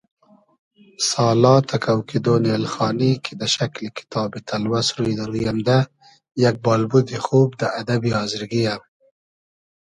سالا تئکۆ کیدۉن اېلخانی کی دۂ شئکلی کیتابی تئلوئس روی دۂ روی امدۂ، یئگ بالبودی خوب دۂ ادئبی آزرگی یۂ